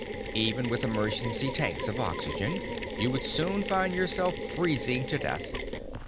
Even with emergency tanks of oxygen, you would soon find yourself freezing to death.